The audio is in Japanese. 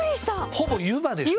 ほぼ湯葉でしょ。